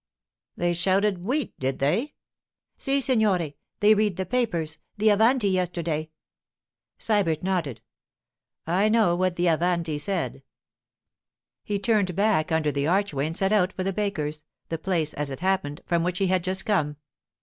'They shouted "Wheat!" did they?' 'Si, signore. They read the papers. The Avanti yesterday——' Sybert nodded. 'I know what the Avanti said.' He turned back under the archway and set out for the baker's—the place, as it happened, from which he had just come.